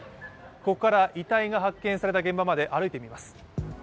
ここから、遺体が発見された現場まで歩いてみます。